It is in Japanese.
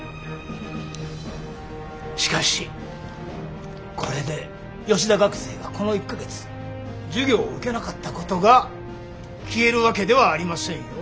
しかしこれで吉田学生がこの１か月授業を受けなかったことが消えるわけではありませんよ。